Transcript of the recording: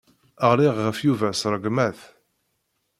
Ɣliɣ ɣef Yuba s rregmat.